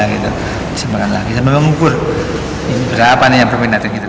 disampaikan lagi sampai mengukur berapa yang berminat